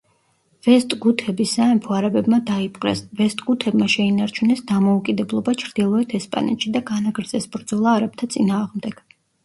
ვესტგუთების სამეფო არაბებმა დაიპყრეს, ვესტგუთებმა შეინარჩუნეს დამოუკიდებლობა ჩრდილოეთ ესპანეთში და განაგრძეს ბრძოლა არაბთა წინააღმდეგ.